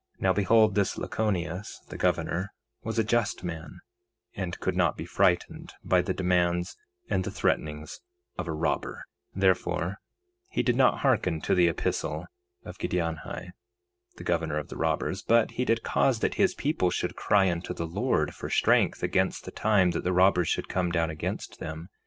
3:12 Now behold, this Lachoneus, the governor, was a just man, and could not be frightened by the demands and the threatenings of a robber; therefore he did not hearken to the epistle of Giddianhi, the governor of the robbers, but he did cause that his people should cry unto the Lord for strength against the time that the robbers should come down against them.